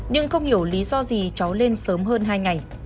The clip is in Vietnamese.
nhưng không hiểu lý do gì cháu lên sớm hơn hai ngày